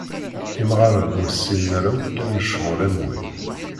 Imɣaren ur ssinen ara akk llan lecɣal am wi.